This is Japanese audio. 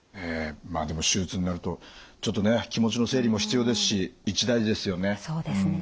でも手術になるとちょっとね気持ちの整理も必要ですし一大事ですよね。